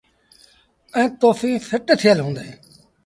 ائيٚݩ توڦيٚن ڦٽ ٿيٚل هُݩديٚݩ۔